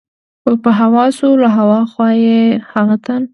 ور په هوا شو، له ها خوا یې هغه تن.